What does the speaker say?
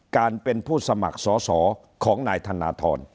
การเป็นผู้สมัครสอสอของนายธนทร